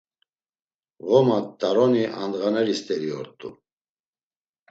Ğoma, t̆aroni andğaneri steri ort̆u.